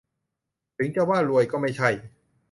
จึงจะว่ารวยก็ไม่ใช่